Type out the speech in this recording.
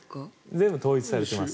全部統一されています。